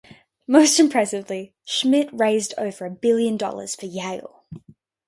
Most impressively, Schmidt raised over a billion dollars for Yale.